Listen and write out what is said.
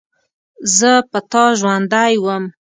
زه په تا ژوندۍ وم.